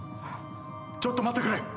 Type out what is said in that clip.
ちょっと待ってくれ。